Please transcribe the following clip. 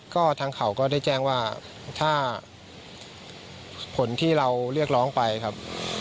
ก็ทางเขาก็ได้แจ้งว่าถ้าผลที่เราเรียกร้องไปครับ